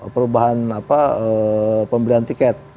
perubahan apa pemberian tiket